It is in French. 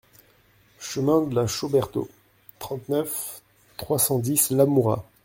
Chemin de la Chaux Berthod, trente-neuf, trois cent dix Lamoura